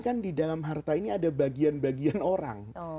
karena di dalam harta ini ada bagian bagian orang